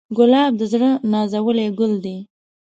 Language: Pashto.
ګلاب د زړه نازولی ګل دی.